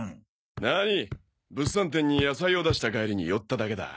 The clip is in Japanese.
何物産展に野菜を出した帰りに寄っただけだ。